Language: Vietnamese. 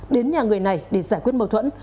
đến nhà người này để giải quyết mâu thuẫn